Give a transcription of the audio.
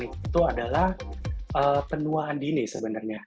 itu adalah penuaan dini sebenarnya